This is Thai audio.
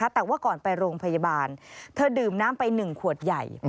แต่ว่าก่อนไปโรงพยาบาลเธอดื่มน้ำไป๑ขวดใหญ่